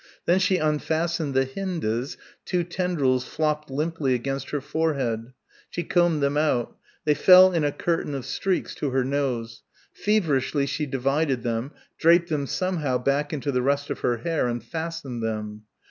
Then she unfastened the Hinde's two tendrils flopped limply against her forehead. She combed them out. They fell in a curtain of streaks to her nose. Feverishly she divided them, draped them somehow back into the rest of her hair and fastened them.